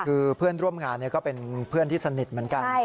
คือเพื่อนร่วมงานก็เป็นเพื่อนที่สนิทเหมือนกัน